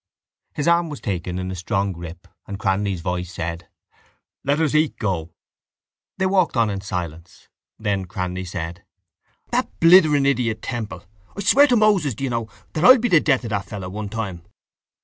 His arm was taken in a strong grip and Cranly's voice said: —Let us eke go. They walked southward in silence. Then Cranly said: —That blithering idiot, Temple! I swear to Moses, do you know, that I'll be the death of that fellow one time.